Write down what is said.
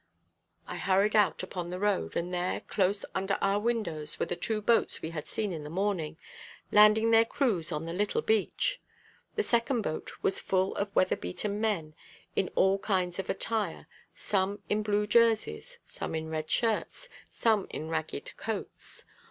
I hurried out upon the road, and there, close under our windows, were the two boats we had seen in the morning, landing their crews on the little beach. The second boat was full of weather beaten men, in all kinds of attire, some in blue jerseys, some in red shirts, some in ragged coats.